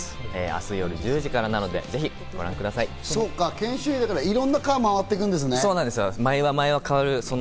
明日夜１０時からなので、研修医だから、いろんな科を回っていくわけですね。